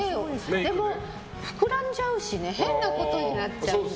でも、膨らんじゃうしね変なことになっちゃう。